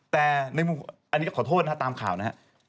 แต่อันนี้ขอโทษนะฮะตามข่าวนะฮะ